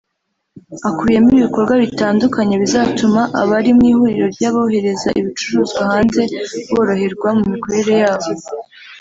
Akubiyemo ibikorwa bitandukanye bizatuma abari mu ihuriro ry’abohereza ibicuruzwa hanze boroherwa mu mikorere yabo